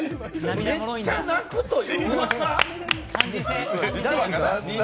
めっちゃ泣くといううわさ？